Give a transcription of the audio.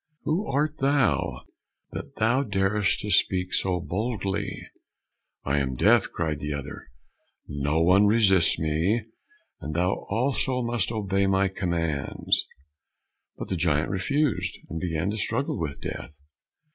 Who art thou that thou darest to speak so boldly?" "I am Death," answered the other. "No one resists me, and thou also must obey my commands." But the giant refused, and began to struggle with Death.